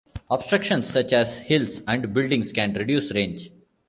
Obstructions such as hills and buildings can reduce range.